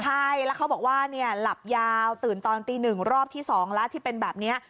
ใช่แล้วเขาบอกว่าหลับยาวตื่นตอนตี๑รอบที่๒แล้วที่เป็นแบบนี้